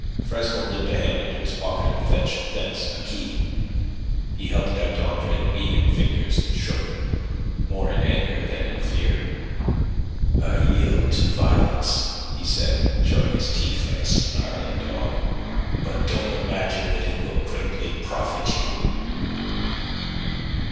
Fresnel dipped a hand into his pocket, and fetched thence a key. He held it out to Andre Louis in fingers that shook more in anger than in fear. "I yield to violence," he said, showing his teeth like a snarling dog. "But don't imagine that it will greatly profit you."